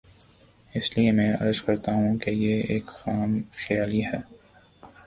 اس لیے میں عرض کرتا ہوں کہ یہ ایک خام خیالی ہے۔